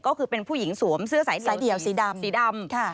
ก็คือเป็นผู้หญิงสวมเสื้อสายเดี่ยวสีดำสีดำ